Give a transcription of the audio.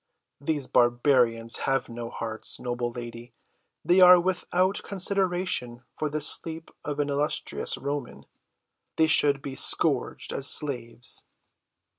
These barbarians have no hearts, noble lady, they are without consideration for the sleep of an illustrious Roman. They should be scourged as slaves."